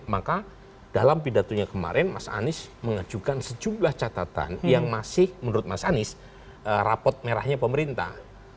maka dalam pidatonya kemarin mas anies mengajukan sejumlah catatan yang masih menurut mas anies rapot merahnya pemerintah